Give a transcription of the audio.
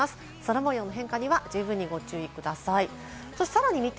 空模様の変化には十分ご注意ください。